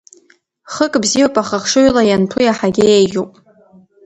Хык бзиоуп, аха хшыҩла ианҭәу иаҳагьы еиӷьуп.